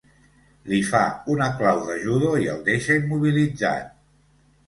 Li fa una clau de judo i el deixa immobilitzat.